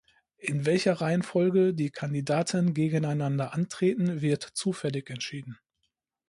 In welcher Reihenfolge die Kandidaten gegeneinander antreten wird zufällig entschieden.